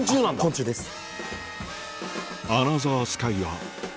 昆虫です。